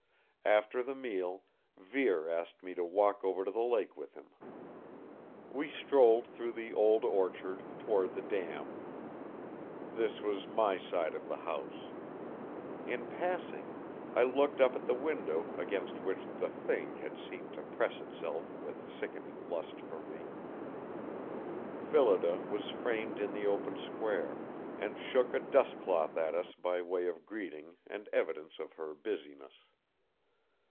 After the meal, Vere asked me to walk over to the lake with him. We strolled through the old orchard toward the dam. This was my side of the house. In passing, I looked up at the window against which the Thing had seemed to press Itself with sickening lust for me. Phillida was framed in the open square, and shook a dustcloth at us by way of greeting and evidence of her busyness.